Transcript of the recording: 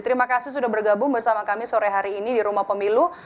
terima kasih sudah bergabung bersama kami sore hari ini di rumah pemilu